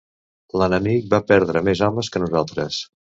L'enemic va perdre més homes que nosaltres.